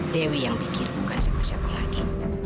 dewi yang bikin bukan siapa siapa lagi